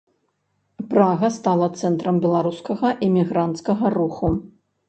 Прага стала цэнтрам беларускага эмігранцкага руху.